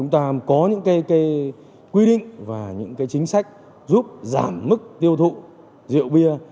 tạm có những cái quy định và những cái chính sách giúp giảm mức tiêu thụ rượu bia